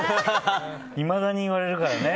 いまだに言われるからね。